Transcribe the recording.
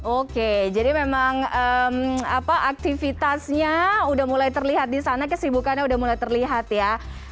oke jadi memang aktivitasnya udah mulai terlihat di sana kesibukannya udah mulai terlihat ya